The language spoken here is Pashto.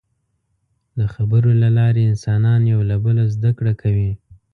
د خبرو له لارې انسانان یو له بله زدهکړه کوي.